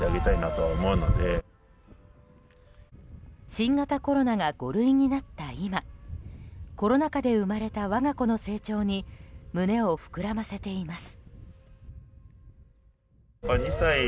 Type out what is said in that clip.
新型コロナが５類になった今コロナ禍で生まれた我が子の成長に胸を膨らませています。